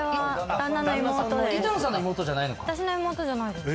私の妹じゃないです。